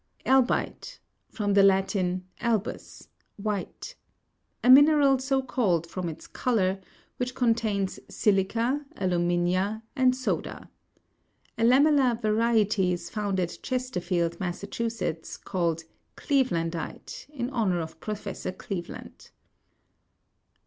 Albite (from the Latin, o/feus, white), a mineral so called from its colour, which contains si'lica, alu'mina, and soda. A lamellar variety is found at Chesterfield, Mass., called Cleavelandite, in honour of Professor Cleaveland.